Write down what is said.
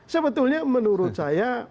sebetulnya menurut saya